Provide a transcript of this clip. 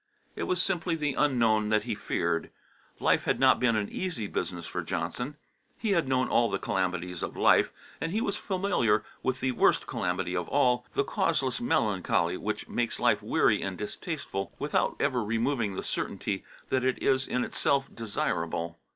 It was simply the unknown that he feared. Life had not been an easy business for Johnson; he had known all the calamities of life, and he was familiar with the worst calamity of all, the causeless melancholy which makes life weary and distasteful without ever removing the certainty that it is in itself desirable.